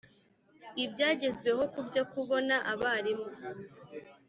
ibyagezweho kubyo kubona abarimu